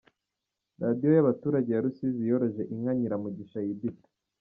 Radiyo y’abaturage ya Rusizi yoroje inka Nyiramugisha Yudita.